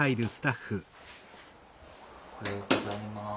おはようございます。